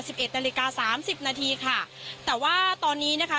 สิบเอ็ดนาฬิกาสามสิบนาทีค่ะแต่ว่าตอนนี้นะคะ